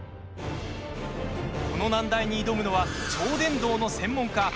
この難題に挑むのは超電導の専門家